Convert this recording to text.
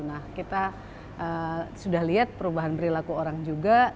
nah kita sudah lihat perubahan perilaku orang juga